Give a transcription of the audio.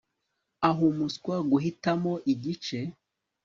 Ah umuswa guhitamo igice